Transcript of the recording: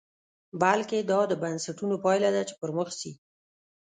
بلکې دا د بنسټونو پایله ده چې پرمخ ځي.